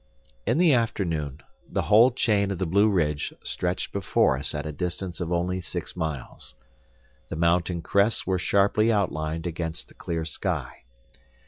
In the afternoon the whole chain of the Blueridge stretched before us at a distance of only six miles. The mountain crests were sharply outlined against the clear sky.